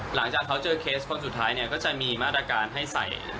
หลังจากเขาเจอเคสคนสุดท้ายเนี่ยก็จะมีมาตรการให้ใส่